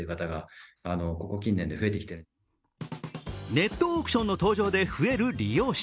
ネットオークションの登場で増える利用者。